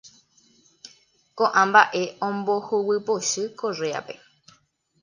Koʼã mbaʼe ombohuguypochy Correape.